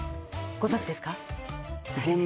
ご存じですか？